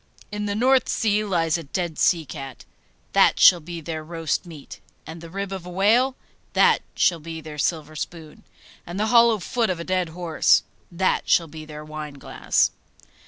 In the North Sea lies a dead sea cat that shall be their roast meat; and the rib of a whale that shall be their silver spoon; and the hollow foot of a dead horse that shall be their wineglass.